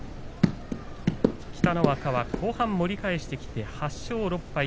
北の若は後半、盛り返してきて８勝６敗。